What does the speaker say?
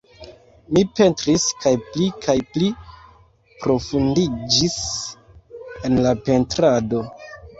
Mi pentris kaj pli kaj pli profundiĝis en la pentrado.